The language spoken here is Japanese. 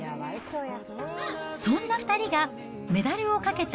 そんな２人が、メダルをかけた